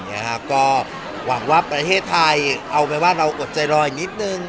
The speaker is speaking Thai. อย่างเงี้ยฮะก็หวังว่าประเทศไทยเอาแม้ว่าเราอดใจรอยนิดนึง